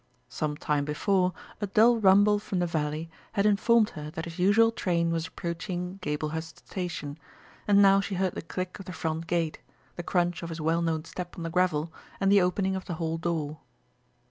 Some time before a dull rumble from the valley had informed her that his usual train was approaching Gablehurst station, and now she heard the click of the front gate, the crunch of his well known step on the gravel, and the opening of the hall door.